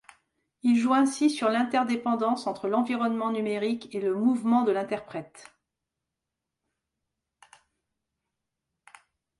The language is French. Il joue ainsi sur l'interdépendance entre l'environnement numérique et le mouvement de l'interprète.